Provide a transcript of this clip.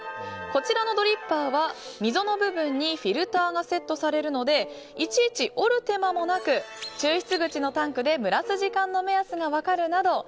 こちらのドリッパーは溝の部分にフィルターがセットされるのでいちいち折る手間もなく抽出口のタンクで蒸らす時間の目安が分かるなど